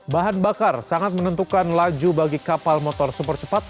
bahan bakar sangat menentukan laju bagi kapal motor super cepat